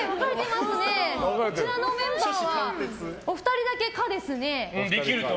こちらのメンバーはお二人だけ可ですね。